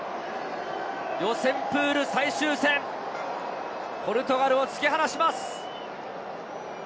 予選プール最終戦、ポルトガルを突き放します。